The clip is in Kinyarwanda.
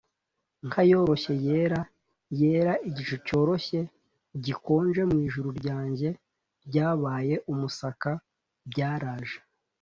nka yoroshye, yera yera igicu cyoroshye, gikonje mwijuru ryanjye ryabaye umusaka byaraje;